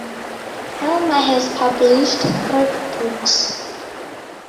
Helmer has published three books.